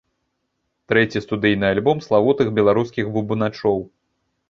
Трэці студыйны альбом славутых беларускіх бубначоў.